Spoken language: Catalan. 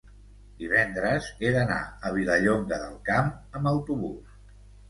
divendres he d'anar a Vilallonga del Camp amb autobús.